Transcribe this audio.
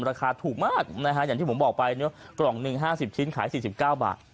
ราคาถูกมากนะฮะอย่างที่ผมบอกไปกล่องหนึ่ง๕๐ชิ้นขาย๔๙บาท